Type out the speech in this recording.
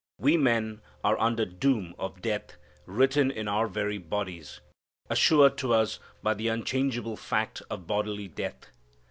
We men are under doom of death written in our very bodies, assured to us by the unchangeable fact of bodily death.